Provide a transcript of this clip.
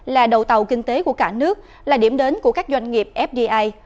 là đầu tàu kinh tế của cả nước là điểm đến của các doanh nghiệp fdi